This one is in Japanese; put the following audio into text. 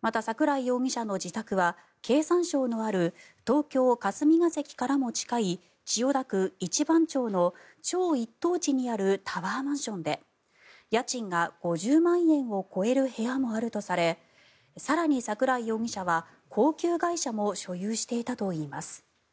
また、桜井容疑者の自宅は経産省のある東京・霞が関からも近い千代田区一番町の超一等地にあるタワーマンションで家賃が５０万円を超える部屋もあるとされ更に桜井容疑者は高級外車も所有していたといいます。